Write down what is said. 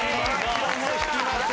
一歩も引きません。